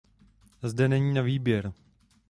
Zde není na výběr.